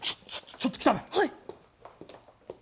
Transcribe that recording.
ちょっと来たまえ。